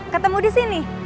ketemu di sini